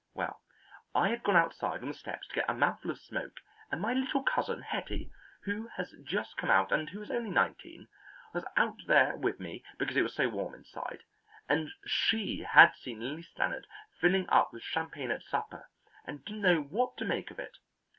Well, I had gone outside on the steps to get a mouthful of smoke, and my little cousin, Hetty, who has just come out and who is only nineteen, was out there with me because it was so warm inside, and she had seen Lilly Stannard filling up with champagne at supper, and didn't know what to make of it.